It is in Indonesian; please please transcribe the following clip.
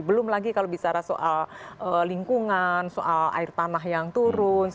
belum lagi kalau bicara soal lingkungan soal air tanah yang turun